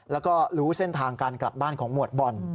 แล้วก็รู้เส้นทางการกลับบ้านของหมวดบอล